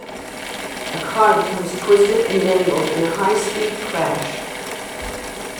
A car becomes twisted and mangled in a high speed crash.